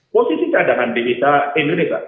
posisi keadaan di indonesia indonesia